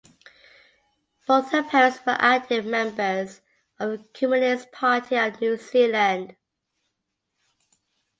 Both her parents were active members of the Communist Party of New Zealand.